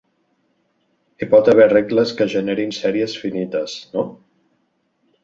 Hi pot haver regles que generin sèries finites, no?